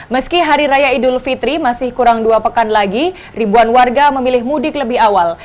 meski hari raya idul fitri masih kurang dua pekan lagi ribuan warga memilih mudik lebih awal